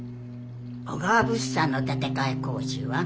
小川物産の建て替え工事は？